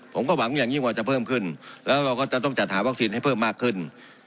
ผมก็หวังอย่างยิ่งว่าจะเพิ่มขึ้นแล้วเราก็จะต้องจัดหาวัคซีนให้เพิ่มมากขึ้น